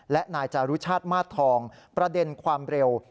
และนายจารุชาติมาสทองประเด็นความเร็ว